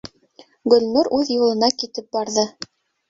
Гөлнур үҙ юлына китеп барҙы.